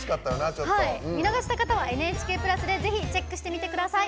見逃した方は「ＮＨＫプラス」でぜひチェックしてみてください。